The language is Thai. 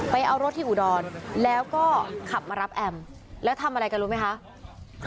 เอารถที่อุดรแล้วก็ขับมารับแอมแล้วทำอะไรกันรู้ไหมคะ